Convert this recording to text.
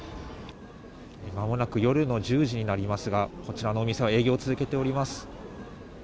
まもなく夜の１０時になりますが、こちらの店は営業を続けております。